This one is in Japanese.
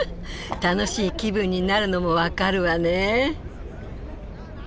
楽しい気分になるのも分かるわね。